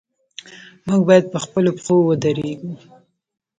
موږ باید په خپلو پښو ودریږو.